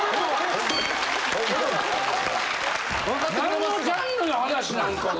何のジャンルの話なんかが。